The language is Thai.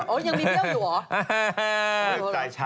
โอ๊ยยังมีมีเอลอยู่เหรอ